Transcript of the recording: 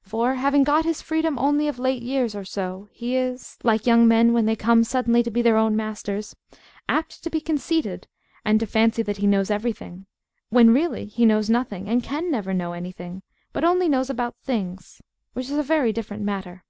For, having got his freedom only of late years or so, he is, like young men when they come suddenly to be their own masters, apt to be conceited, and to fancy that he knows everything, when really he knows nothing, and can never know anything, but only knows about things, which is a very different matter.